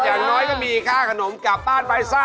อย่างน้อยก็มีค่าขนมกลับบ้านไปซะ